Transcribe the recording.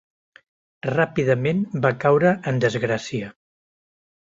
Ràpidament va caure en desgràcia.